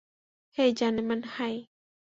হেই, জানেমান, হাই!